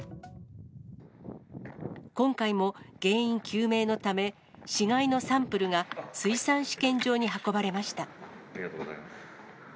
今回も原因究明のため、死骸のサンプルが水産試験場に運ばれました。